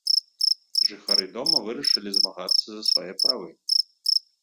Жыхары дома вырашылі змагацца за свае правы.